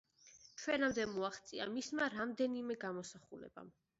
ჩვენამდე მოაღწია მისმა რამდენიმე გამოსახულებამ.